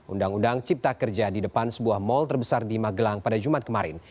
undang undang cipta kerja di depan sebuah mal terbesar di magelang pada jumat kemarin